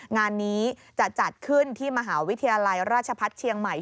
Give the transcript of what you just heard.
งานนี้จะจัดขึ้นที่มหาวิทยาลัยราชพัฒน์เชียงใหม่